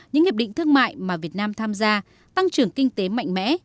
những hiệp định thương mại mà việt nam tham gia tăng trưởng kinh tế mạnh mẽ